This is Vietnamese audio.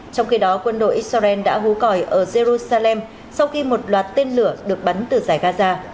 trong khi đó quân đội israel đã hú còi ở jerusalem sau khi một loạt tên lửa được bắn từ giải gaza